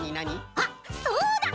あっそうだ！